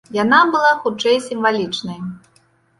Яна была хутчэй сімвалічнай.